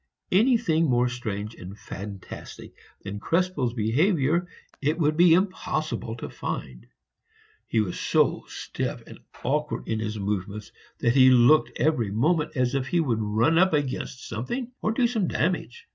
Anything more strange and fantastic than Krespel's behavior it would be impossible to find. He was so stiff and awkward in his movements, that he looked every moment as if he would run up against something or do some damage.